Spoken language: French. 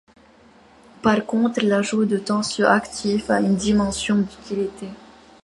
Par contre, l’ajout de tensioactif a une dimension d’utilité.